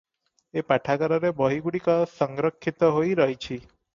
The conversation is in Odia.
ଏ ପାଠାଗାରରେ ବହିଗୁଡ଼ିକ ସଂରକ୍ଷିତ ହୋଇରହିଛି ।